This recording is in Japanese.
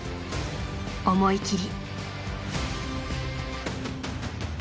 思い切り。